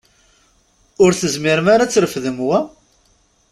Ur tezmirem ara ad trefdem wa?